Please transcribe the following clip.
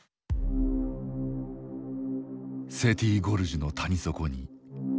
セティ・ゴルジュの谷底に道などない。